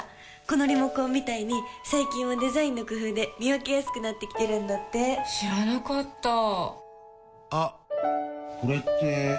このリモコンみたいに最近はデザインの工夫で見分けやすくなってきてるんだって知らなかったあっ、これって・・・